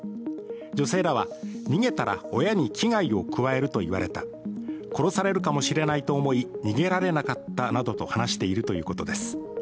女性らは逃げたら親に危害を加えると言われた、殺されるかもしれないと思い逃げられなかったなどと話しているということです。